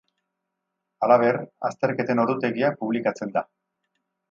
Halaber, azterketen ordutegia publikatzen da.